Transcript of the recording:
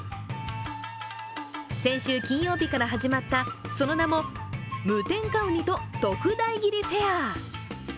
先週金曜日から始まった、その名も無添加うにと特大切りフェア。